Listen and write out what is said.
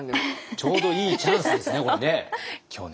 ちょうどいいチャンスですね